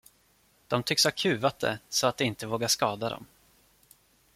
De tycks ha kuvat det, så att det inte vågar skada dem.